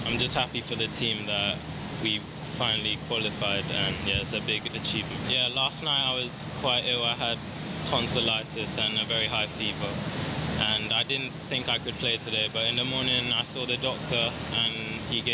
เมื่อกลุ่มที่สุดผมมีอาการตอนซินอักเสบและเฟวเทียร์สูง